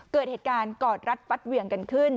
เกิดเหตุการณ์กอดรัดฟัดเหวี่ยงกันขึ้น